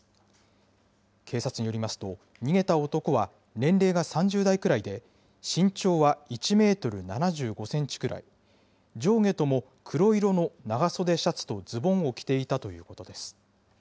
警察によりますと、逃げた男は年齢が３０代くらいで、身長は１メートル７５センチくらい、上下とも黒色の長袖シャツとズボンを着ていたということです。